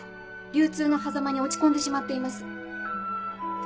流通のはざまに落ち込んでしまっています。